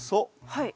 はい。